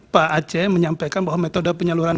pak aceh menyampaikan bahwa metode penyaluran